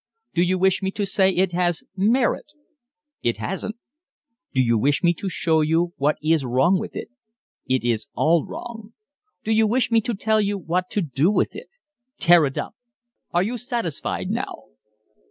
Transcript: Do you wish me to say it has merit? It hasn't. Do you wish me to show you what is wrong with it? It is all wrong. Do you wish me to tell you what to do with it? Tear it up. Are you satisfied now?"